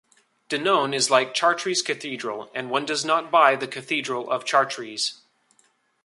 Danone is like Chartres cathedral, and one does not buy the cathedral of Chartres.